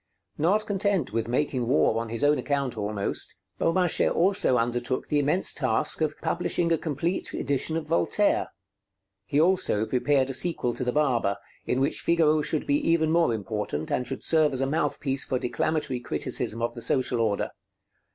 Not content with making war on his own account almost, Beaumarchais also undertook the immense task of publishing a complete edition of Voltaire. He also prepared a sequel to the 'Barber,' in which Figaro should be even more important, and should serve as a mouthpiece for declamatory criticism of the social order.